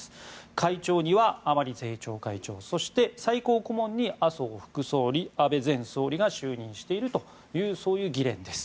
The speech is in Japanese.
会長には甘利税調会長そして、最高顧問に麻生副総理安倍前総理が就任している議連です。